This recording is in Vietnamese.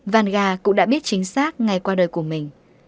vanga cũng đã biết chính xác ngày qua đời của mình